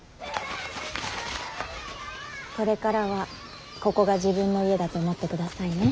これからはここが自分の家だと思ってくださいね。